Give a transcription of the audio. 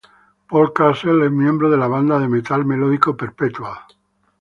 Paul Castle es miembro de la banda de metal melódico Perpetual.